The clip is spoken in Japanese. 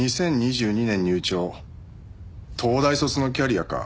２０２２年入庁東大卒のキャリアか。